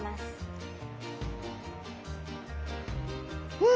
うん。